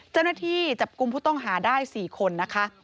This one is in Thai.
เจ้าหน้าที่จับกลุ่มผู้ต้องหาได้๔คนนะคะ